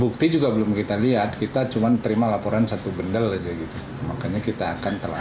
bukti juga belum kita lihat kita cuman terima laporan satu bendel aja gitu makanya kita akan telah